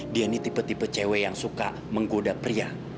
dia ini tipe tipe cw yang suka menggoda pria